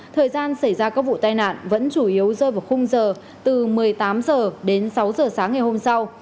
thời gian xảy ra các vụ tai nạn vẫn chủ yếu rơi vào khung giờ từ một mươi tám h đến sáu h sáng ngày hôm sau